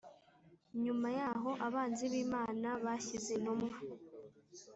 Nyuma y aho abanzi b Imana bashyize intumwa